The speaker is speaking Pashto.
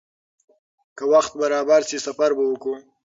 که وخت برابر شي، سفر به وکړو.